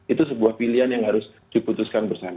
itu sebuah pilihan yang harus diputuskan bersama